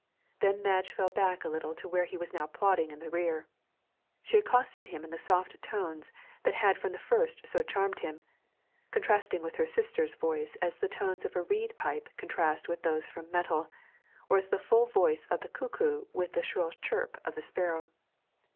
Then Madge fell back a little to where he was now plodding in the rear. She accosted him in the soft tones that had from the first so charmed him, contrasting with her sister's voice as the tones of a reed pipe contrast with those from metal, or as the full voice of the cuckoo with the shrill chirp of the sparrow.